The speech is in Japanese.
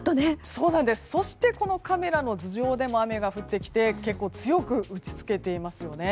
そして、このカメラの頭上でも雨が降ってきて結構強く打ちつけていますよね。